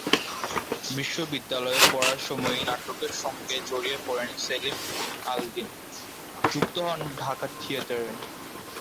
বিশ্ববিদ্যালয়ে পড়ার সময়েই নাটকের সঙ্গে জড়িয়ে পড়েন সেলিম আল দীন, যুক্ত হন ঢাকা থিয়েটারে।